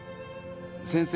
先生